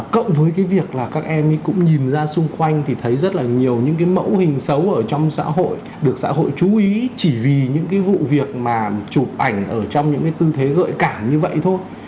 cộng với cái việc là các em ấy cũng nhìn ra xung quanh thì thấy rất là nhiều những cái mẫu hình xấu ở trong xã hội được xã hội chú ý chỉ vì những cái vụ việc mà chụp ảnh ở trong những cái tư thế gợi cảm như vậy thôi